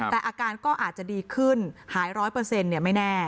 แต่อาการก็อาจจะดีขึ้นหาย๑๐๐เปอร์เซ็นต์เนี่ยไม่แน่